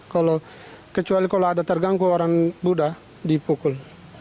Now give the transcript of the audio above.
kalau kecuali kalau ada terganggu orang buddha dipukul